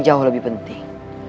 yang lebih penting